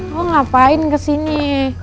lu ngapain kesini